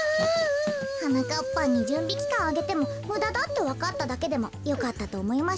はなかっぱんにじゅんびきかんあげてもむだだってわかっただけでもよかったとおもいましょ。